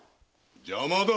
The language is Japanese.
邪魔だ！